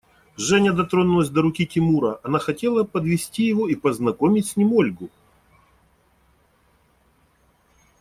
Женя дотронулась до руки Тимура: она хотела подвести его и познакомить с ним Ольгу.